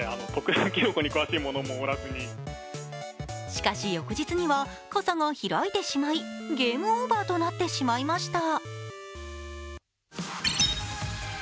しかし翌日にはかさが開いてしまいゲームオーバーとなってしまいました。